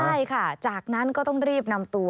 ใช่ค่ะจากนั้นก็ต้องรีบนำตัว